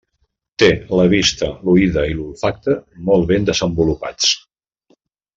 Té la vista, l'oïda i l'olfacte molt ben desenvolupats.